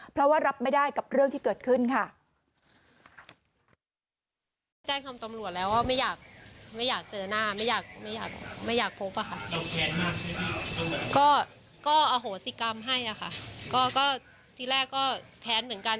เพราะว่ารับไม่ได้กับเรื่องที่เกิดขึ้นค่ะ